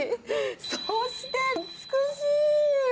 そして美しい！